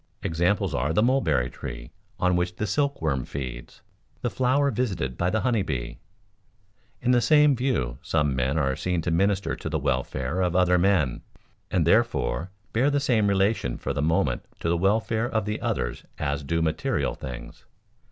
Examples are the mulberry tree on which the silkworm feeds, the flower visited by the honey bee. In the same view some men are seen to minister to the welfare of other men and therefore bear the same relation for the moment to the welfare of the others as do material things.